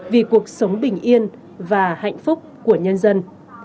vì cuộc sống bình yên và hạnh phúc của nhân dân